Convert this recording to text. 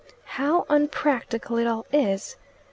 "How unpractical it all is!"